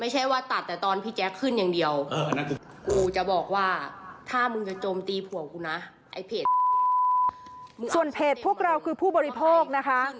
ส่วนเพจพวกเราคือผู้บริโภคนะคะ